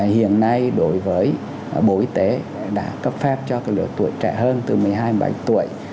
hiện nay đối với bộ y tế đã cấp phép cho lượng tuổi trẻ hơn từ một mươi hai đến một mươi bảy tuổi